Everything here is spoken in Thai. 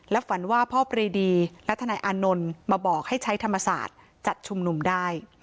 ฝันว่าพ่อปรีดีและทนายอานนท์มาบอกให้ใช้ธรรมศาสตร์จัดชุมนุมได้